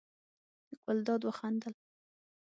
ګلداد وخندل.